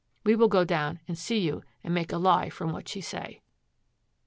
We will go down and see you and make a lie from what she say.'